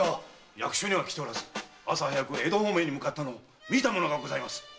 役所には来ておらず朝早く江戸方面に向かったのを見た者がございます。